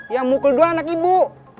yang mukul dua anak ibu